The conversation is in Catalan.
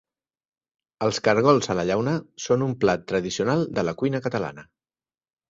Els cargols a la llauna són un plat tradicional de la cuina catalana.